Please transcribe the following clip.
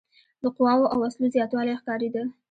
د قواوو او وسلو زیاتوالی ښکارېده.